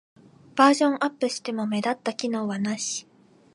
バージョンアップしても目立った機能はなし